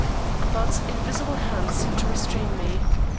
But invisible hands seemed to restrain me.